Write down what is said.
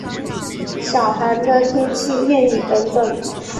小寒的天气谚语等等。